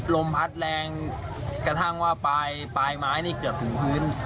ลมพลัดแลงขนาดถึงปลายไม้นี่กลับถึงพื้น